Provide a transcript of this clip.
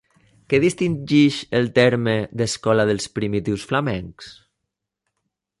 Què distingeix el terme d'«Escola dels Primitius Flamencs»?